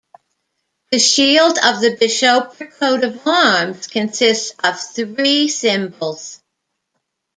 The shield of the bishopric coat of arms consists of three symbols.